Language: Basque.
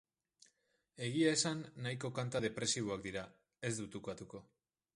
Egia esan, nahiko kanta depresiboak dira, ez dut ukatuko.